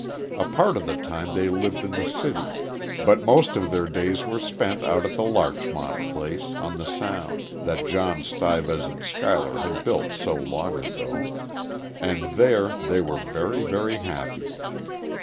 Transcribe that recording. A part of the time they lived in the city; but most of their days were spent out at the Larchmont place, on the Sound, that John Stuyvesant Schuyler had built so long ago. And there they were very, very happy.